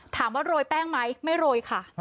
โรยแป้งไหมไม่โรยค่ะ